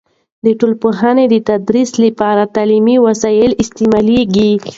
د ټولنپوهنې د تدریس لپاره تعلیمي وسایل استعمالیږي.